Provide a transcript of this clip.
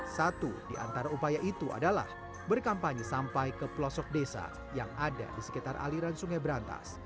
satu di antara upaya itu adalah berkampanye sampai ke pelosok desa yang ada di sekitar aliran sungai berantas